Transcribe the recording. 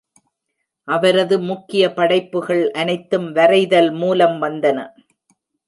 அவரது முக்கிய படைப்புகள் அனைத்தும் வரைதல் மூலம் வந்தன.